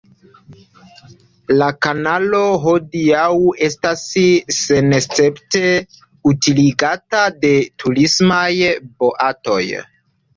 La kanalo hodiaŭ estas senescepte utiligata de turismaj boatoj.